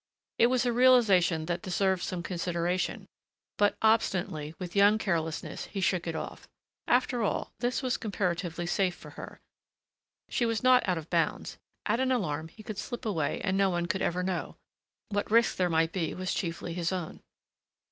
It was a realization that deserved some consideration. But, obstinately, with young carelessness, he shook it off. After all, this was comparatively safe for her. She was not out of bounds. At an alarm he could slip away and no one could ever know. What risk there might be was chiefly his own.